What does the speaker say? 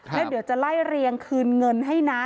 แล้วเดี๋ยวจะไล่เรียงคืนเงินให้นะ